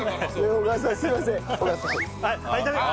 小川さんすいません。